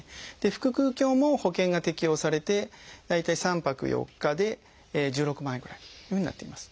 腹腔鏡も保険が適用されて大体３泊４日で１６万円ぐらいというふうになっています。